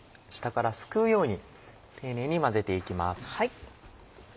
下からすくうように丁寧に混ぜて行きます。